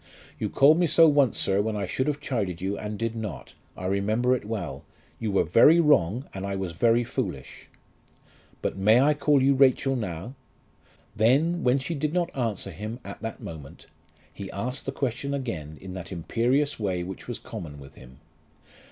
"You called me so once, sir, when I should have chided you and did not. I remember it well. You were very wrong, and I was very foolish." "But I may call you Rachel now?" Then, when she did not answer him at the moment, he asked the question again in that imperious way which was common with him.